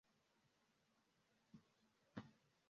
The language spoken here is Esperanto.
Nur de tiu tempo datumas la aranĝo de la fasadoj.